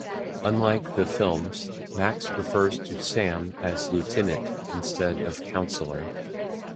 Unlike the films, Max refers to Sam as "lieutenant" instead of "counselor".